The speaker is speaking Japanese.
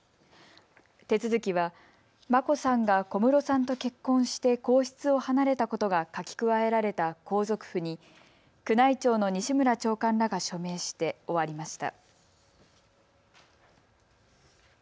手続きは眞子さんが小室さんと結婚して皇室を離れたことが書き加えられた皇族譜に宮内庁の西村長官らが署名して終わりました。